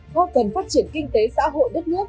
có cần phát triển kinh tế xã hội đất nước